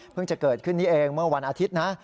จะเกิดขึ้นนี้เองเมื่อวันอาทิตย์นะ